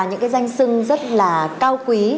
những cái danh sưng rất là cao quý